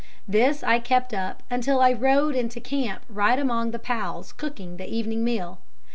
This I kept up until I rode into camp right among the pals cooking the evening meal.